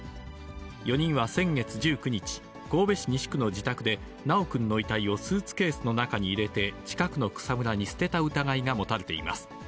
４人は先月１９日、神戸市西区の自宅で修くんの遺体をスーツケースの中に入れて、近くの草むらに捨てた疑いが持たれています。